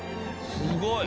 「すごい！」